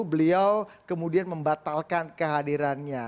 beliau kemudian membatalkan kehadirannya